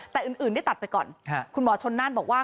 แต่อื่นได้ตัดไปก่อนคุณหมอชนน่านบอกว่า